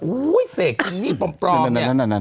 โอ้โหเสกจริงจริงปลอมเนี่ย